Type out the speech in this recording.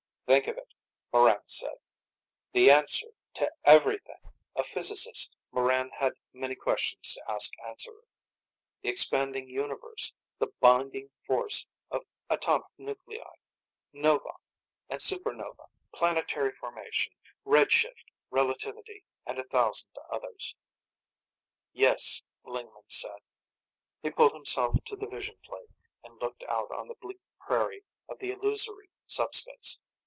"Think of it," Morran said. "The answer to everything!" A physicist, Morran had many questions to ask Answerer. The expanding universe; the binding force of atomic nuclei; novae and supernovae; planetary formation; red shift, relativity and a thousand others. "Yes," Lingman said. He pulled himself to the vision plate and looked out on the bleak prairie of the illusory sub space.